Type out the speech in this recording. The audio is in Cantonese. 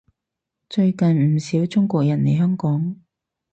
最近唔少中國人嚟香港